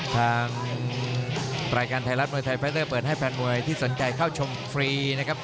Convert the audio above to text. ทางรายการไทยรัฐมวยไทยไฟเตอร์เปิดให้แฟนมวยที่สนใจเข้าชมฟรีนะครับ